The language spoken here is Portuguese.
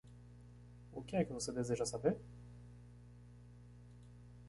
O que é que você deseja saber?